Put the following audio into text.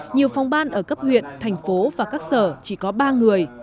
nhiều phòng ban ở cấp huyện thành phố và các sở chỉ có ba người